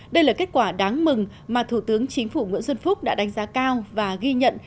đây là kết quả đáng mừng mà thủ tướng chính phủ nguyễn xuân phúc đã đánh giá cao và ghi nhận